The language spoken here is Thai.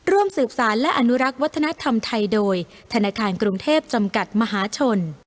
ร่วมสืบสารและอนุรักษ์วัฒนธรรมไทยโดยธนาคารกรุงเทพจำกัดมหาชน